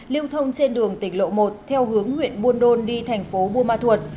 lưu thông trên đường tỉnh lộ một theo hướng huyện buôn đôn đi thành phố buôn ma thuột